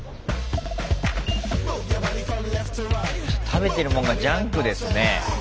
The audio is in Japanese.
食べてるもんがジャンクですね